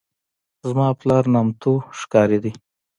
زما پلار نامتو ښکاري دی.